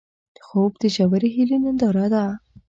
خوب د ژورې هیلې ننداره ده